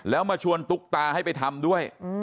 แล้วมาชวนตุ๊กตาให้ไปทำด้วย